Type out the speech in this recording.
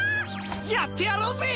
やってやろうぜ！